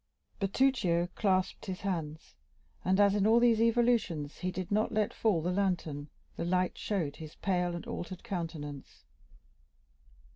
Bertuccio clasped his hands, and as, in all these evolutions, he did not let fall the lantern, the light showed his pale and altered countenance.